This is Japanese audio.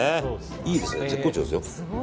いいですね、絶好調ですよ。